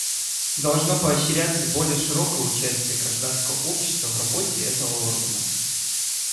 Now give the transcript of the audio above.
Должно поощряться более широкое участие гражданского общества в работе этого органа.